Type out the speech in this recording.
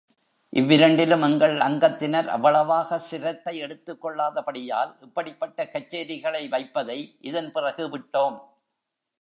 இவ்விரண்டிலும் எங்கள் அங்கத்தினர் அவ்வளவாக சிரத்தை எடுத்துக் கொள்ளாதபடியால், இப்படிப்பட்ட கச்சேரிகளை வைப்பதை இதன் பிறகு விட்டோம்.